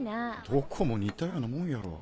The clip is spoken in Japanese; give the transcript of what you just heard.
どこも似たようなもんやろ。